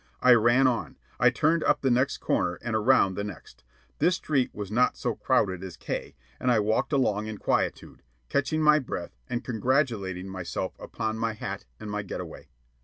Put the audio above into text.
I ran on. I turned up the next corner, and around the next. This street was not so crowded as K, and I walked along in quietude, catching my breath and congratulating myself upon my hat and my get away.